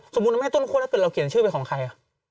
สมมุติไม่ใช่ต้นคั่ถ้าเกิดเราเขียนชื่อเป็นของใคร